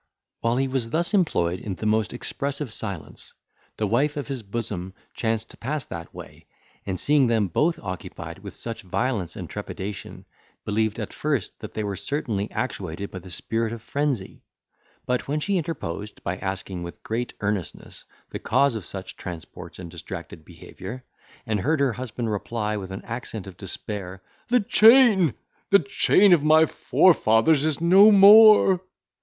While he was thus employed, in the most expressive silence, the wife of his bosom chanced to pass that way, and seeing them both occupied with such violence and trepidation, believed at first that they were certainly actuated by the spirit of frenzy; but, when she interposed, by asking, with great earnestness, the cause of such transports and distracted behaviour, and heard her husband reply, with an accent of despair, "The chain! the chain of my forefathers is no more!"